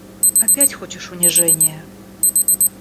Опять хочешь унижения!